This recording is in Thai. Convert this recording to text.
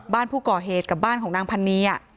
บ้านผู้ก่อเหตุกับบ้านของนางพันนี